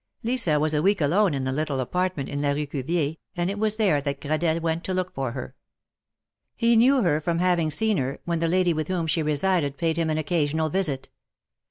Lisa was a 'week alone in the little apartment in la Rue Cuvier, and it was there that Gradelle went to look for her. He knew her from having seen her, when the lady with whom she resided paid him an occasional visit.